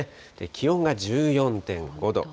気温が１４．５度。